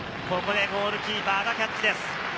ここでゴールキーパーがキャッチです。